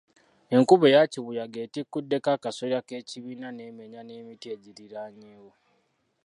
Enkuba eya kibuyaga etikkuddeko akasolya k'ekibiina n'emenya n'emiti egiriraanyeewo